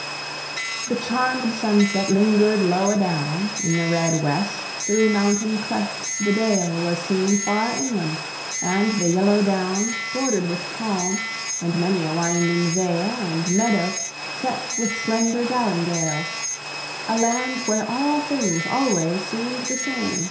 The charmèd sunset linger'd low adown In the red West: thro' mountain clefts the dale Was seen far inland, and the yellow down Border'd with palm, and many a winding vale And meadow, set with slender galingale; A land where all things always seem'd the same!